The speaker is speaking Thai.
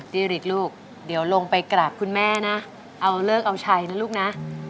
ดีริกลูกเดี๋ยวลงไปกราบคุณแม่นะเอาเลิกเอาชัยนะลูกนะ